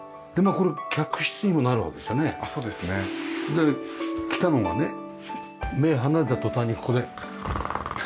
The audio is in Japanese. で来たのがね目離れた途端にここで。